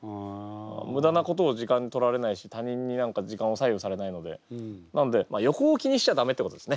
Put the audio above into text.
無駄なことに時間をとられないし他人に時間を左右されないのでなんで横を気にしちゃダメってことですね。